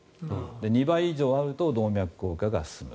２倍以上あると動脈硬化が進む。